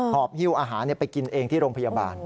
อบหิ้วอาหารไปกินเองที่โรงพยาบาล